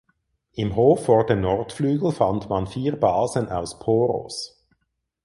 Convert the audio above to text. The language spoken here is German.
Im Hof vor dem Nordflügel fand man vier Basen aus Poros.